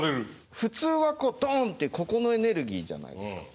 普通はドンってここのエネルギーじゃないですか。